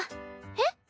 えっ？